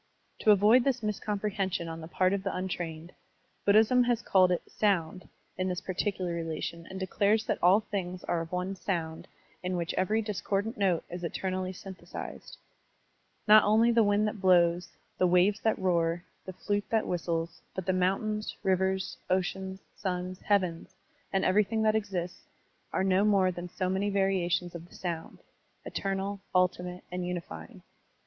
To avoid this miscomprehension on the part of the tm trained, Buddhism has called it "Sound*' in this particular relation and declares that all things are of one Sound in which every discordant note is eternally synthesized. Not only the wind that blows, the waves that roar, the flute that whis tles, but the motmtains, rivers, oceans, suns, heavens, and everything that exists, are no more than so many variations of the Sotmd, eternal, tdtimate, and unifying.